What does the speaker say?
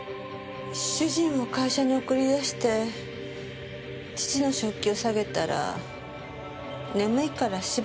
主人を会社に送り出して父の食器を下げたら眠いからしばらく寝るって。